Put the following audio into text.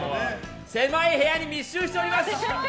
狭い部屋に密集しております。